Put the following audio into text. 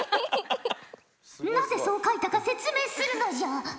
なぜそう描いたか説明するのじゃ！